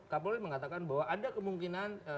kapolri mengatakan bahwa ada kemungkinan yang tewas itu